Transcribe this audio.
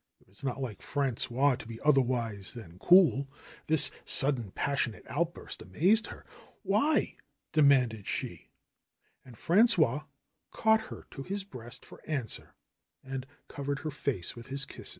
It was not like Frangois to be otherwise than cool. This sudden, pas sionate outburst amazed her. ^'Why ?" demanded she. And Frangois caught her to his breast for answer and covered her face with his kisses.